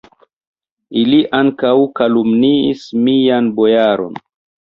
Ili ankaŭ kalumniis mian bojaron!